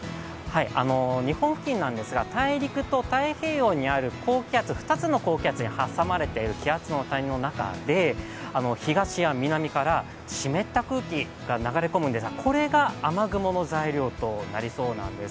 日本付近なんですが大陸と太平洋にある高気圧、２つの高気圧に挟まれている気圧の谷の中で東や南から湿った空気が流れ込むんですが、これが雨雲の材料となりそうなんです。